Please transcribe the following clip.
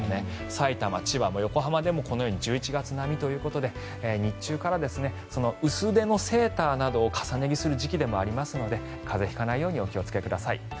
さいたま、千葉、横浜でもこのように１１月並みということで日中から薄手のセーターなどを重ね着する時期でもありますので風邪を引かないようにお気をつけください。